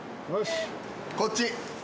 こっち。